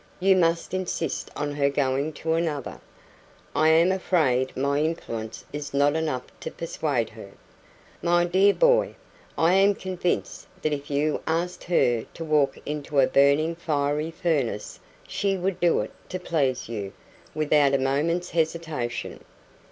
"You must insist on her going to another." "I am afraid my influence is not enough to persuade her." "My dear boy, I am convinced that if you asked her to walk into a burning fiery furnace, she would do it to please you, without a moment's hesitation."